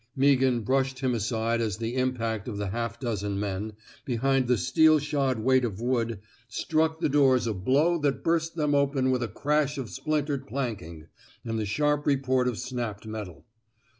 '* Meaghan brushed him aside as the impact of the half dozen men, behind the steel shod weight of wood, struck the doors a blow that burst them open with a crash of splintered planking and the sharp report of snapped metal.